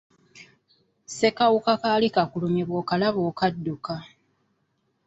Ssekawuka kaali kakulumye bw'okalaba okadduka.